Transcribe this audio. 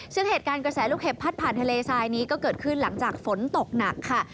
ซึ่งเหตุการณ์กระแสลูกเห็บพัดผ่านทะเลทรายนี้ก็เกิดขึ้นหลังจากฝนตกหนักค่ะ